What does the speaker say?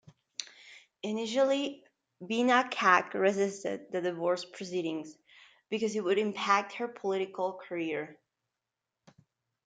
Initially, Beena Kak resisted the divorce proceedings, because it would impact her political career.